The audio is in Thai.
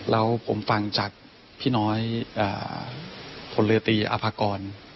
แล้วผมฟังจากพี่น้อยผลเรือตีอภากร